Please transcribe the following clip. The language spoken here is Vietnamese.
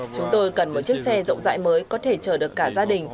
chúng tôi cần một chiếc xe rộng rãi mới có thể chở được cả gia đình